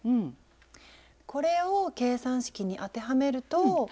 これを計算式に当てはめると。